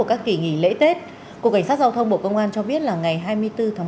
và yêu thương các con nhiều hơn